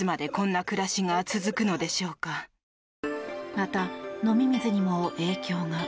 また、飲み水にも影響が。